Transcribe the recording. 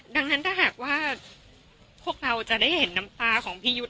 ดังนั้นถ้าหากว่าพวกเราจะได้เห็นน้ำตาของพี่ยุทธ์